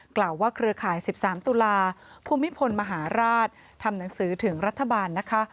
กล่าวว่าเครือข่าย๑๓ตุลาภูมิพลมหาราชทำหนังสือถึงรัฐบาลนะคะ